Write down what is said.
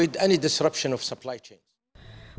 dan untuk mengelakkan perkembangan perusahaan